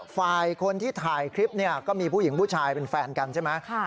ฝ่ายคนที่ถ่ายคลิปเนี่ยก็มีผู้หญิงผู้ชายเป็นแฟนกันใช่ไหม